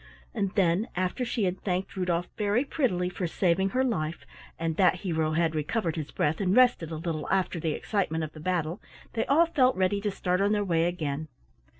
And then, after she had thanked Rudolf very prettily for saving her life, and that hero had recovered his breath and rested a little after the excitement of the battle, they all felt ready to start on their way again.